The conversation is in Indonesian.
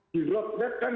di roadmap kan